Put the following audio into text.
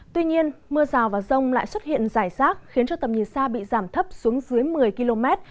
tuy nhiên mưa rào và rông lại xuất hiện rải rác khiến cho tầm nhìn xa bị giảm thấp xuống dưới một mươi km